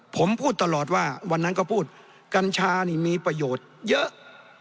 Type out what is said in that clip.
ผมพูดตลอดว่าวันนั้นก็พูดกัญชานี่มีประโยชน์เยอะ